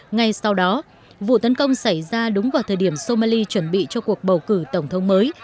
ngay sau đó vụ tấn công xảy ra đúng vào thời điểm somali chuẩn bị cho cuộc bầu cử tổng thống mới